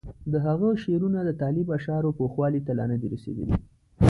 د هغه شعرونه د طالب اشعارو پوخوالي ته لا نه دي رسېدلي.